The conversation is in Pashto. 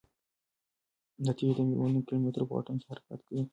دا تیږه د میلیونونو کیلومترو په واټن کې حرکت کوي.